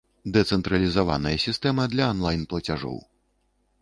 Дэцэнтралізаваная сістэма для анлайн-плацяжоў!